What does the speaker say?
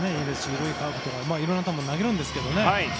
緩いカーブとかいろいろな球を投げるんですけどね。